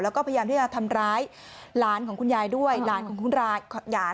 แล้วก็พยายามที่จะทำร้ายหลานของคุณยายด้วยหลานของคุณหลาน